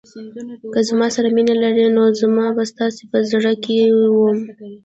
که زما سره مینه لرئ نو زه به ستاسو په زړه کې وم.